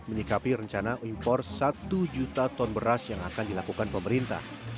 menyikapi rencana impor satu juta ton beras yang akan dilakukan pemerintah